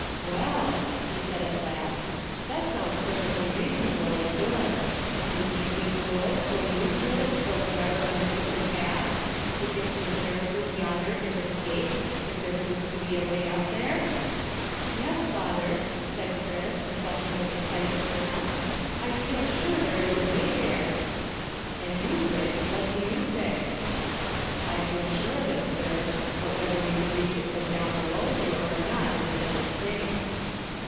"Well," he said at last, "that sounds perfectly reasonable and good. And you think we could, or you could, or whoever undertook the task, could get to the terraces yonder and escape if there proves to be a way up there?" "Yes, father," said Chris, flushing with excitement now. "I feel sure there is a way there." "And you, Griggs what do you say?" "I feel sure of it, sir; but whether we could reach it from down below here or not is another thing."